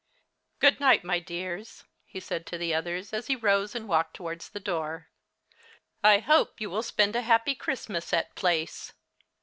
Good night, my dears," he said to the others, as he rose and walked toward the door. "I hope you will spend a happy Christmas at Place.